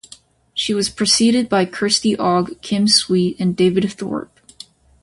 She was preceded by Kirsty Ogg, Kim Sweet and David Thorp.